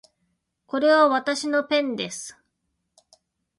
これはわたしのペンです